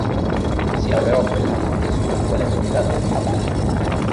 Si laureò quell'anno e subito fu eletto "fellow" a Balliol.